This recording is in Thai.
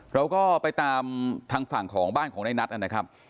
เราก็ไปตามทางฝั่งของบ้านของในนัทนะครับ